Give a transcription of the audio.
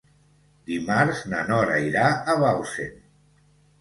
Dimarts na Nora irà a Bausen.